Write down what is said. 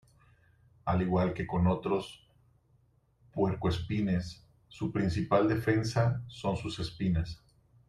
Al igual que con otros puercoespines, su principal defensa son sus espinas.